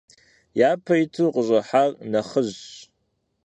Япэ иту къыщӏыхьар нэхъыжьщ.